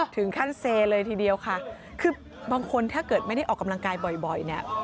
เซเลยทีเดียวค่ะคือบางคนถ้าเกิดไม่ได้ออกกำลังกายบ่อยเนี่ย